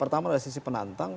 pertama dari sisi penantang